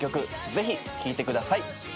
ぜひ聴いてください。